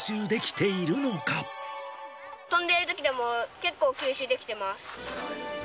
飛んでいるときでも、結構、吸収できています。